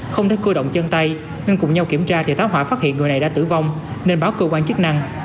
không thể cưa động chân tay nên cùng nhau kiểm tra thì táo hỏa phát hiện người này đã tử vong nên báo cơ quan chức năng